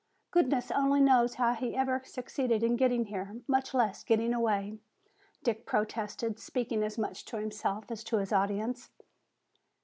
Goodness only knows how he ever succeeded in getting here, much less getting away!" Dick protested, speaking as much to himself as his audience.